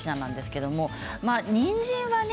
にんじんはね